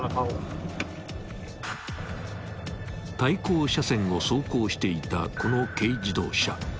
［対向車線を走行していたこの軽自動車］